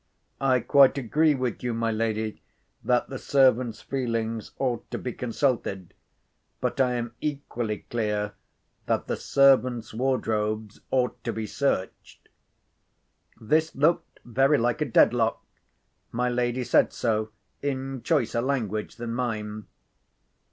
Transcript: I quite agree with you, my lady, that the servants' feelings ought to be consulted. But I am equally clear that the servants' wardrobes ought to be searched." This looked very like a dead lock. My lady said so, in choicer language than mine.